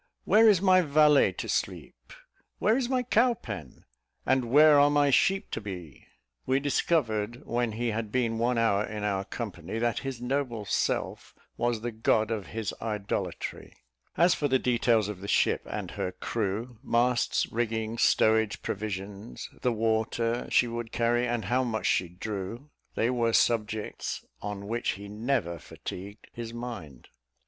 where is my valet to sleep? where is my cow pen? and where are my sheep to be?" We discovered when he had been one hour in our company, that his noble self was the god of his idolatry. As for the details of the ship and her crew, masts, rigging, stowage, provisions, the water she would carry, and how much she drew, they were subjects on which he never fatigued his mind.